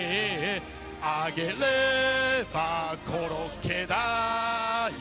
「揚げればコロッケだよ」